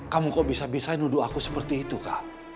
kamu kok bisa bisa nuduh aku seperti itu kak